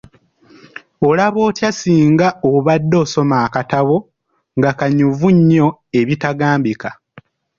Olaba otya singa obadde osoma akatabo nga kanyuvu nnyo ebitagambika.